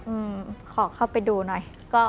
อืมขอเข้าไปดูหน่อย